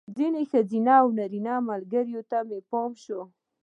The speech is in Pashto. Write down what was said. ځینو ښځینه او نارینه ملګرو ته مې پام شو.